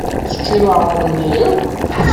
Teččiḍ aɣrum-nni akk?